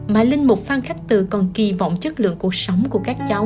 mà linh mục phan khắc từ còn kỳ vọng chất lượng cuộc sống của các cháu